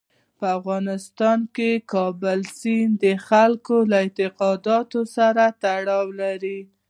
په افغانستان کې کابل سیند د خلکو له اعتقاداتو سره تړاو لري.